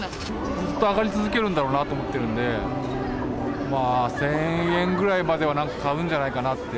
ずっと上がり続けるんだろうなと思ってるんで、まあ、１０００円ぐらいまではなんか買うんじゃないかなって。